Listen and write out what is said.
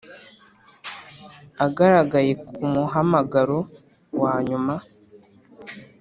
agaragaye kumuhamagaro wanyuma,